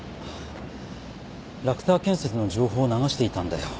ラクター建設の情報を流していたんだよ。